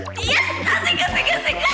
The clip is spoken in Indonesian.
sik asik asik asik